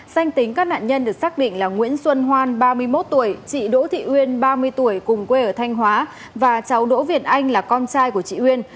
danh tính các nạn nhân được xác định là nguyễn xuân hoan ba mươi một tuổi chị đỗ thị uyên ba mươi tuổi cùng quê ở thanh hóa và cháu đỗ việt anh là con trai của chị uyên